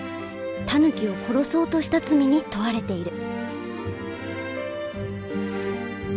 タヌキを殺そうとした罪に問われている。